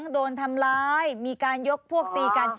โดนทำร้ายมีการยกพวกตีกัน